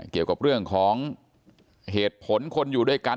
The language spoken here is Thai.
เกี่ยวกับเรื่องของเหตุผลคนอยู่ด้วยกัน